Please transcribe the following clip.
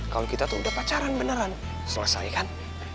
kalau kita tuh udah pacaran beneran selesai kan